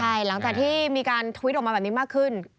ใช่หลังจากที่มีการทวิตออกมาแบบนี้มากขึ้น